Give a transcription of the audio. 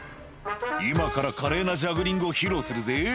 「今から華麗なジャグリングを披露するぜ」